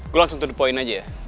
gue langsung to the point aja ya